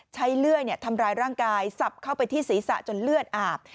เลื่อยทำร้ายร่างกายสับเข้าไปที่ศีรษะจนเลือดอาบ